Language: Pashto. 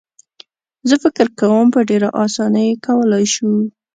زه فکر کوم په ډېره اسانۍ یې کولای شو.